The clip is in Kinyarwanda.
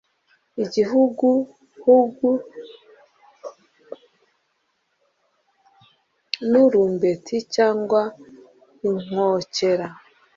Igihuguhugu n urumbeti cyangwa inkokera,